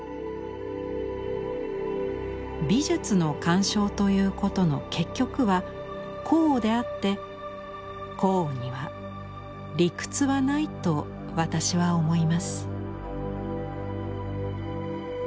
「美術の鑑賞ということの結局は好悪であって好悪には理屈はないと私は思います」。